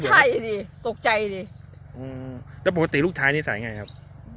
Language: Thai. ใช่ดิตกใจดิแล้วปกติลูกชายนิสัยไงครับ